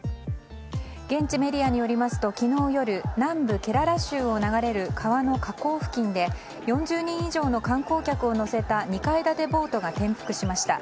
現地メディアによりますと昨日夜南部ケララ州を流れる川の河口付近で４０人以上の観光客を乗せた２階建てボートが転覆しました。